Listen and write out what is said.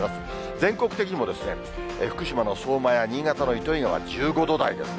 全国的にも、福島の相馬や新潟の糸魚川１５度台ですね。